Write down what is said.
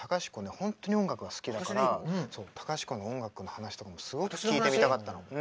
本当に音楽が好きだから隆子の音楽の話とかもすごく聞いてみたかったの。